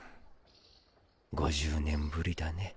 ５０年ぶりだね